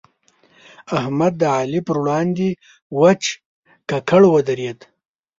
علي د احمد پر وړاندې وچ ککړ ودرېد.